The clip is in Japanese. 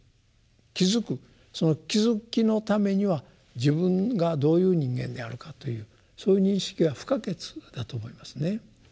その気付きのためには自分がどういう人間であるかというそういう認識が不可欠だと思いますね。